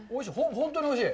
本当においしい。